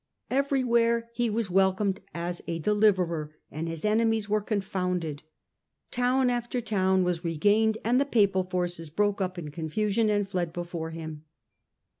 Everywhere he was welcomed as a deliverer and his enemies were confounded. Town after town was regained and the Papal forces broke up in confusion and fled before him.